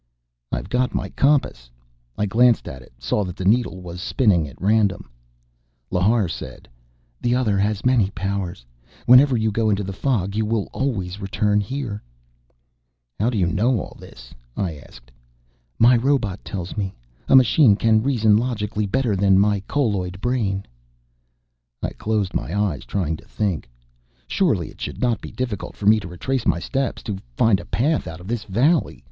"I've got my compass." I glanced at it, saw that the needle was spinning at random. Lhar said: "The Other has many powers. Whenever you go into the fog, you will always return here." "How do you know all this?" I asked. "My robot tells me. A machine can reason logically, better than a colloid brain." I closed my eyes, trying to think. Surely it should not be difficult for me to retrace my steps, to find a path out of this valley.